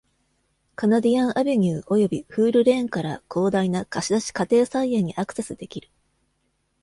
カナディアン・アヴェニューおよびフール・レーンから広大な貸し出し家庭菜園にアクセスできる。